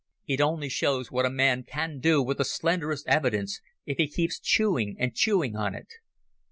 It only shows what a man can do with the slenderest evidence if he keeps chewing and chewing on it